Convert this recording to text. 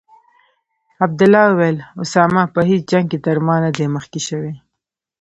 عبدالله وویل: اسامه په هیڅ جنګ کې تر ما نه دی مخکې شوی.